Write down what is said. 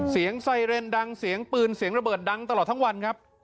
เสียงไซเรนดังเสียงปืนเสียงระเบิดดังตลอดทั้งวันครับ